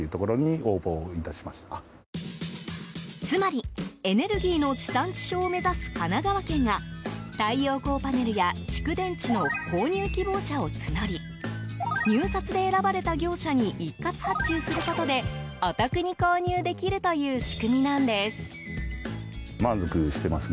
つまり、エネルギーの地産地消を目指す神奈川県が太陽光パネルや蓄電池の購入希望者を募り入札で選ばれた業者に一括発注することでお得に購入できるという仕組みなんです。